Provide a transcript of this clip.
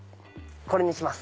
これにします。